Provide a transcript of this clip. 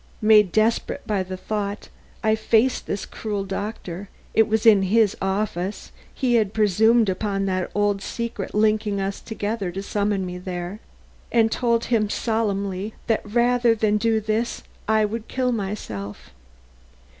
Made desperate by the thought, I faced this cruel doctor (it was in his own office; he had presumed upon that old secret linking us together to summon me there) and told him solemnly that rather than do this I would kill myself.